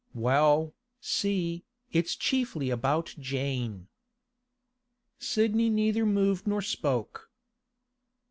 Well, see, it's chiefly about Jane.' Sidney neither moved nor spoke.